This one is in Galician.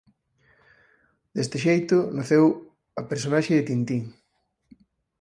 Deste xeito naceu o personaxe de "Tintín".